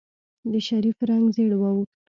د شريف رنګ زېړ واوښت.